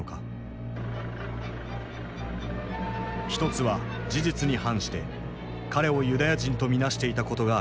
一つは事実に反して彼をユダヤ人と見なしていたことが挙げられる。